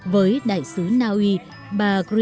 với đại sứ na uy bà griet lochen cũng vậy